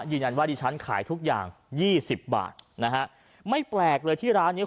ยืนยันว่าดิฉันขายทุกอย่างยี่สิบบาทนะฮะไม่แปลกเลยที่ร้านเนี้ย